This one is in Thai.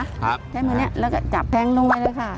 ใช้มือนี้แล้วก็จับแทงลงไปเลยค่ะ